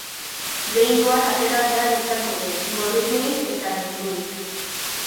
Behingoan atera behar izan dugu, gorriturik eta mindurik.